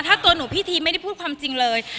ถ้าตัวหนูพี่ทีไม่ได้พูดความจริงเลย